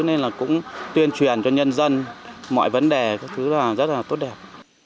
nên là cũng tuyên truyền cho nhân dân mọi vấn đề các thứ rất là tốt đẹp